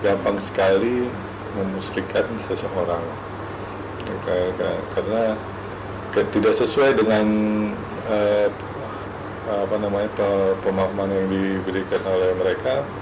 gampang sekali memustikan seseorang karena tidak sesuai dengan pemahaman yang diberikan oleh mereka